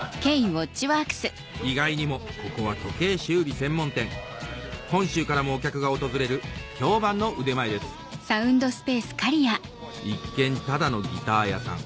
意外にもここは時計修理専門店本州からもお客が訪れる評判の腕前です一見ただのギター屋さん